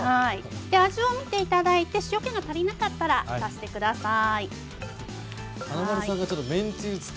味を見て塩けが足りなかったら足してください。